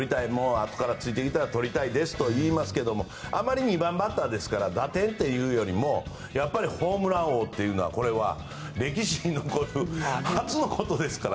あとからついてきたらとりたいですとは言いますけれどもあまり、２番バッターですから打点というよりもホームラン王というのは歴史に残る初のことですから。